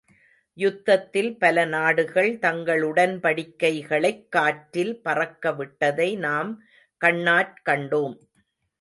யுத்தத்தில் பலநாடுகள் தங்களுடன்படிக்கைகளைக் காற்றில் பறக்க விட்டதை நாம் கண்ணாற் கண்டோம்.